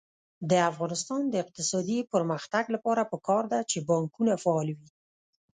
د افغانستان د اقتصادي پرمختګ لپاره پکار ده چې بانکونه فعال وي.